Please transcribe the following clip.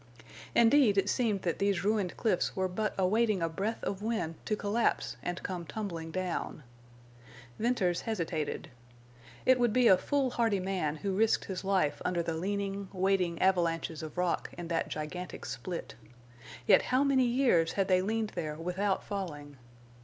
Indeed, it seemed that these ruined cliffs were but awaiting a breath of wind to collapse and come tumbling down. Venters hesitated. It would be a foolhardy man who risked his life under the leaning, waiting avalanches of rock in that gigantic split. Yet how many years had they leaned there without falling!